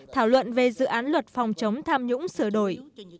thảo luận về dự án luật phòng chống tham nhũng sửa đổi